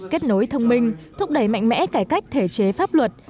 kết nối thông minh thúc đẩy mạnh mẽ cải cách thể chế pháp luật